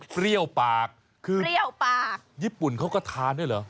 ปรี้ยวปากคือยิปุ่นเขาก็ทานด้วยเหรอ